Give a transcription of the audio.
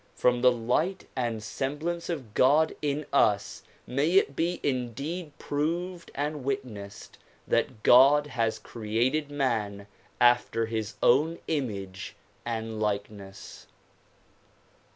From the light and semblance of God in us may it be indeed proved and witnessed that God has created man after his own image and likeness.